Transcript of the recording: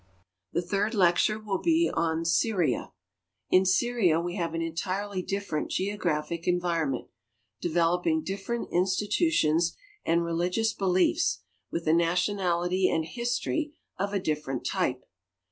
The third lecture will be on Syria. In Syria we have an entirely dif ferent geographic eavironment, developing diflferent institutions and religious beliefs, with a nationality and history of a different type.